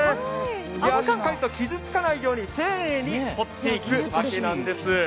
しっかりと傷つかないように丁寧に掘っていくわけなんです。